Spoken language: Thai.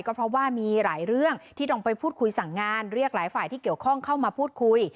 ก็เพราะว่ามีหลายเรื่องที่ต้องไปพูดคุยสั่งงานเรียกหลายฝ่ายที่เกี่ยวข้องเข้ามาพูดคุย